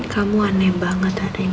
kamu aneh banget hari ini